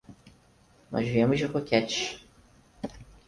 Nós viemos de Roquetes.